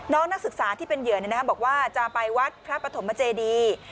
นักศึกษาที่เป็นเหยื่อบอกว่าจะไปวัดพระปฐมเจดี